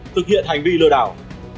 thực hiện hành vi lừa đảo